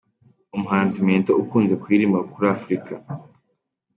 Umuhanzi Mento ukunze kuririmba kuri Afurika.